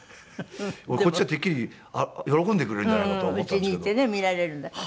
こっちはてっきり喜んでくれるんじゃないかと思ったんですけど。